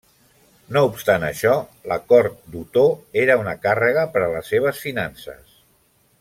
No obstant això, la cort d'Otó era una càrrega per a les seves finances.